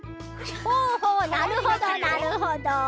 ほうほうなるほどなるほど。